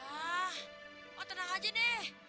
ah oh tenang aja deh